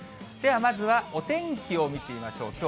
ではまずはお天気を見てみましょう。